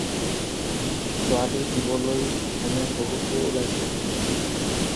ছোৱালী দিবলৈ হেনো বহুতো ওলাইছে।